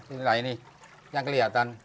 inilah ini yang kelihatan